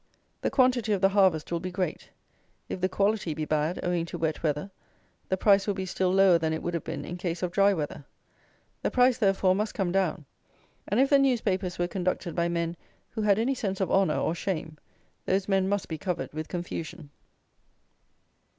The quantity of the harvest will be great. If the quality be bad, owing to wet weather, the price will be still lower than it would have been in case of dry weather. The price, therefore, must come down; and if the newspapers were conducted by men who had any sense of honour or shame, those men must be covered with confusion.